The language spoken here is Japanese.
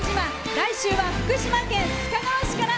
来週は福島県須賀川市から